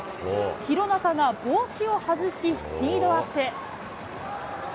廣中が帽子を外しスピードアップ。